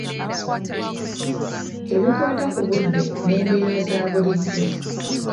Ebikwata ku budde n'embeera za bulijjo.